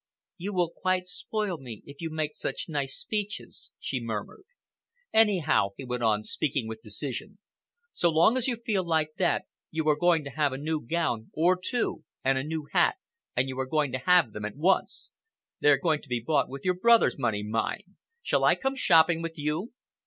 "You will quite spoil me if you make such nice speeches," she murmured. "Anyhow," he went on, speaking with decision, "so long as you feel like that, you are going to have a new gown—or two—and a new hat, and you are going to have them at once. They are going to be bought with your brother's money, mind. Shall I come shopping with you?"